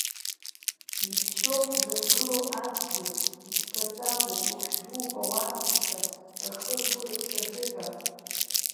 Иԥшьоуп ҳзықәгылоу адгьыл, иԥсҭаҵагоуп, ихәшә дууп ауаатәыҩса рхы-ргәы, рыԥс азыҳәа.